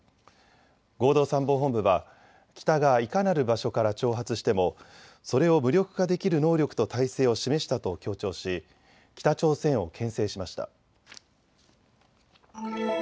合同参謀本部は北がいかなる場所から挑発してもそれを無力化できる能力と態勢を示したと強調し北朝鮮をけん制しました。